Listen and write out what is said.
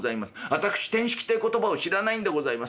私てんしきってえ言葉を知らないんでございます。